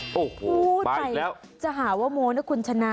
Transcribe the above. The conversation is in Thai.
โอ้โหไปอีกแล้วแต่จะหาว่าโมนนะคุณชนะ